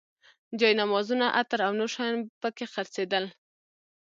جاینمازونه، عطر او نور شیان په کې خرڅېدل.